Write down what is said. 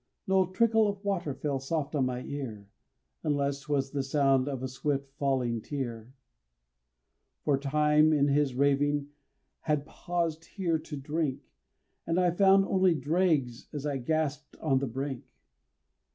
No trickle of water fell soft on my ear Unless 'twas the sound of a swift falling tear For Time in his raving had paused here to drink, And I found only dregs as I gasped on the brink.